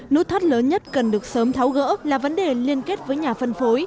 nút thắt lớn nhất cần được sớm tháo gỡ là vấn đề liên kết với nhà phân phối